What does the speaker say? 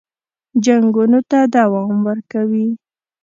جنګونو ته دوام ورکوي.